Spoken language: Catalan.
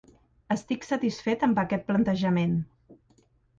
Estic satisfet amb aquest plantejament.